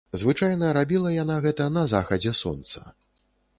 Звычайна рабіла яна гэта на захадзе сонца.